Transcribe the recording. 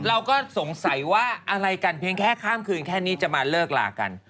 เราก็สงสัยว่าอะไรกันเพียงแค่ข้ามคืนแค่นี้จะมาเลิกลากัน